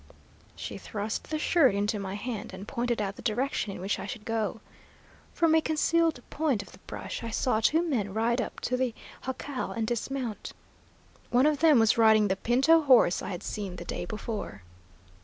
She thrust the shirt into my hand and pointed out the direction in which I should go. From a concealed point of the brush I saw two men ride up to the jacal and dismount. One of them was riding the Pinto horse I had seen the day before.